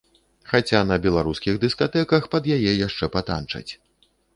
Хаця на беларускіх дыскатэках пад яе яшчэ патанчаць.